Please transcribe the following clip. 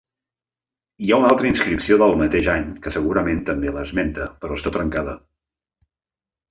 Hi ha una altra inscripció del mateix any que segurament també l'esmenta, però està trencada.